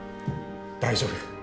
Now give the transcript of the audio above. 大丈夫。